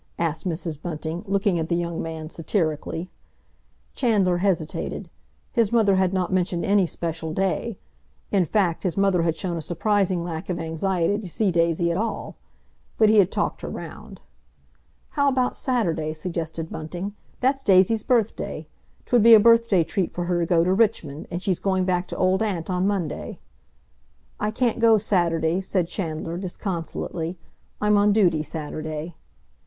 asked Mrs. Bunting, looking at the young man satirically. Chandler hesitated. His mother had not mentioned any special day—in fact, his mother had shown a surprising lack of anxiety to see Daisy at all. But he had talked her round. "How about Saturday?" suggested Bunting. "That's Daisy's birthday. 'Twould be a birthday treat for her to go to Richmond, and she's going back to Old Aunt on Monday." "I can't go Saturday," said Chandler disconsolately. "I'm on duty Saturday."